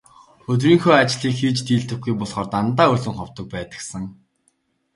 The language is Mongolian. Өдрийнхөө ажлыг хийж дийлдэггүй болохоор дандаа өлөн ховдог байдагсан.